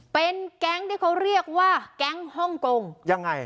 เป็นแก๊งที่เขาเรียกว่าแก๊งฮ่องกงยังไง